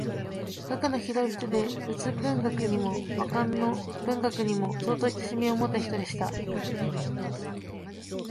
学の広い人で仏文学にも和漢の文学にも相当親しみをもった人でした